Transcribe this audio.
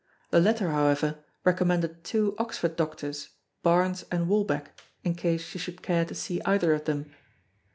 The latter however recommended two Oxford doctors, Barnes and Walbec, in case she should care to see either of them.